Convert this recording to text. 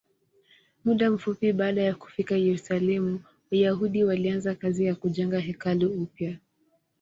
Muda mfupi baada ya kufika Yerusalemu, Wayahudi walianza kazi ya kujenga hekalu upya.